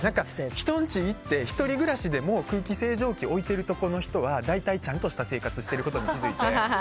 人んち行って、１人暮らしでも空気清浄機を置いてる人は大体ちゃんとした生活をしてることに気づいて。